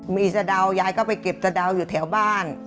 มีสะดาวยายก็ไปเก็บสะดาวอยู่แถวบ้าน